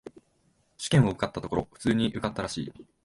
試験を受けたところ、普通に受かったらしい。